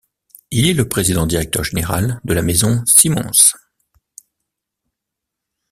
Il est le président-directeur général de La Maison Simons.